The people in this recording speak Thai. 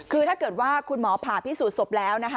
คือถ้าเกิดว่าคุณหมอผ่าพิสูจน์ศพแล้วนะคะ